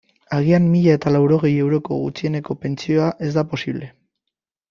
Agian mila eta laurogei euroko gutxieneko pentsioa ez da posible.